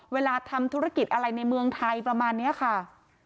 เวลาทำธุรกิจอะไรในเมืองไทยประมาณนี้ค่ะ